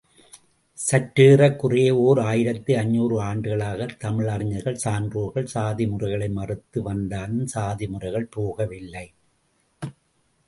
சற்றேறக் குறைய ஓர் ஆயிரத்து ஐநூறு ஆண்டுகளாகத் தமிழறிஞர்கள், சான்றோர்கள் சாதிமுறைகளை மறுத்து வந்தாலும் சாதி முறைகள் போகவில்லை.